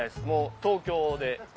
もう東京で。